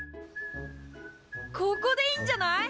ここでいいんじゃない？